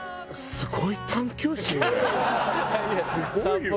すごいわ。